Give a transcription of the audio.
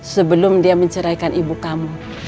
sebelum dia menceraikan ibu kamu